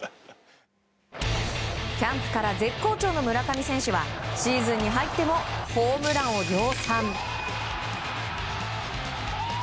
キャンプから絶好調の村上選手はシーズンに入ってもホームランを量産。